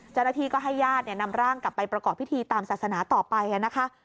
เจ้าหน้าที่ก็ให้ญาตินำร่างกลับไปประกอบพิธีตามศาสนาต่อไปนะคะ